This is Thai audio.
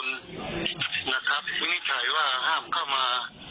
นะครับวินิจัยว่าห้ามเข้ามา